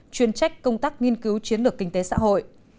chuyên trách công tác nghiên cứu chiến lược kinh tế xã hội